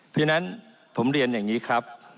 เพราะฉะนั้นผมเรียนอย่างนี้ครับ